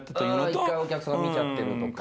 １回お客さんが見ちゃってるとか。